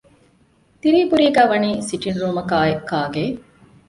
ތިރީބުރީގައި ވަނީ ސިޓިންގ ރޫމަކާއި ކާގެއެއް